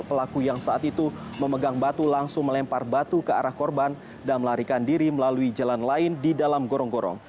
pelaku yang saat itu memegang batu langsung melempar batu ke arah korban dan melarikan diri melalui jalan lain di dalam gorong gorong